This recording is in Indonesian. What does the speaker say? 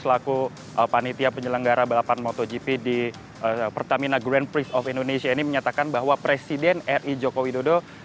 selaku panitia penyelenggara balapan motogp di pertamina grand prix of indonesia ini menyatakan bahwa presiden r i jokowi dodo